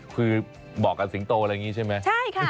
คือบอกกับสิงโตอะไรอย่างนี้ใช่ไหม